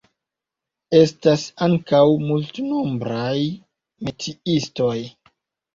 Estas ankaŭ multnombraj metiistoj.